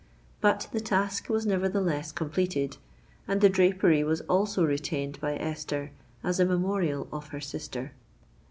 But the task was nevertheless completed; and the drapery was also retained by Esther as a memorial of her sister.